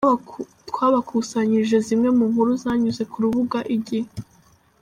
Twabakusanyirije zimwe mu nkuru zanyuze ku rubuga igihe.